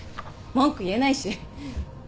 文句言えないし。